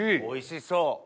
おいしそう。